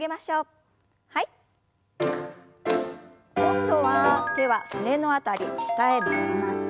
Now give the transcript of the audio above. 今度は手はすねの辺り下へ曲げます。